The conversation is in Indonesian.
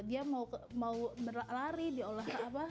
dia mau lari diolahraga apa